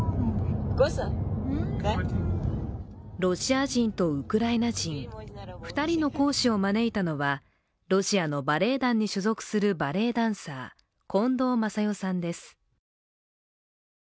ロシア人とウクライナ人２人の講師を招いたのはロシアのバレエ団に所属するバレエダンサー近藤雅代さんです。